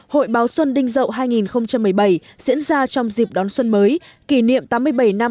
hội báo xuân đinh dậu hai nghìn một mươi bảy diễn ra trong dịp đón xuân mới kỷ niệm tám mươi bảy năm